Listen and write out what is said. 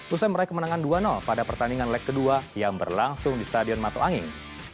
usai meraih kemenangan dua pada pertandingan leg kedua yang berlangsung di stadion mato anging